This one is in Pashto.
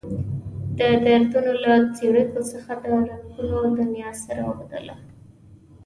د دردونو له څړیکو څخه د رنګونو دنيا سره اوبدله.